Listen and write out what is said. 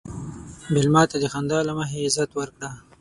مېلمه ته د خندا له مخې عزت ورکړه.